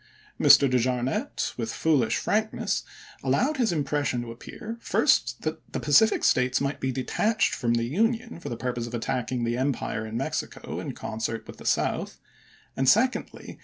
Mr. De Jarnette, with foolish frankness, allowed his impression to appear, first, that the Pacific States might be detached from the Union for the purpose of attacking the empire in MAXIMILIAN 423 Mexico in concert with the South; and, secondly, chap.